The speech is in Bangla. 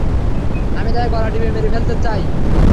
আমি তাকে গলা টিপে মেরে ফেলতে চাই।